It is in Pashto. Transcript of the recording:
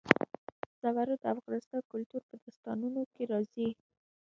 زمرد د افغان کلتور په داستانونو کې راځي.